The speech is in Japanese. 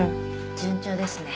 順調ですね。